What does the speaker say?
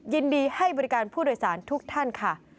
ยินดีให้บริการผู้โดยสารทุกท่านค่ะ